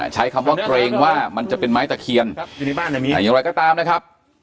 ใช้คำว่าเกรงว่ามันจะเป็นไม้ตะเคียนอย่างไรก็ตามนะครับ